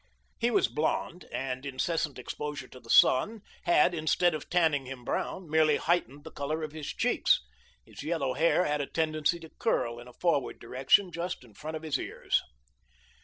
He was blond, and incessant exposure to the sun had, instead of tanning him brown, merely heightened the colour of his cheeks. His yellow hair had a tendency to curl in a forward direction, just in front of the ears.